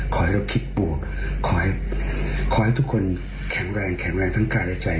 ขอให้เราคิดบวกขอให้ทุกคนแข็งแรงแข็งแรงทั้งกายและใจ